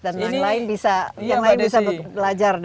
dan yang lain bisa belajar